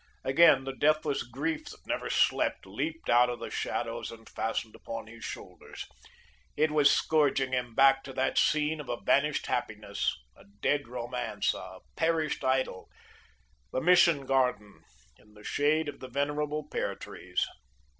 Again, the deathless grief that never slept leaped out of the shadows, and fastened upon his shoulders. It was scourging him back to that scene of a vanished happiness, a dead romance, a perished idyl, the Mission garden in the shade of the venerable pear trees.